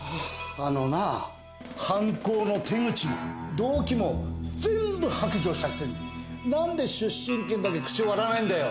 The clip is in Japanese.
あのなぁ犯行の手口も動機も全部白状したくせになんで出身県だけ口を割らないんだよ？